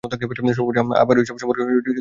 সর্বোপরি, অরোরা এইসব সম্পর্কে কিছুই জানেনা।